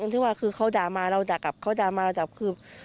ที่ว่าคือเขาด่ามาเราด่ากลับเขาด่ามาเราจับคือ